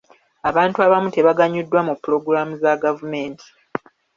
Abantu abamu tebaganyuddwa mu pulogulaamu za gavumenti.